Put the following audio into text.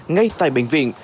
ngay tại bệnh viện